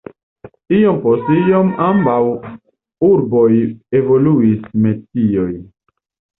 Iom post iom en ambaŭ urboj evoluis metioj.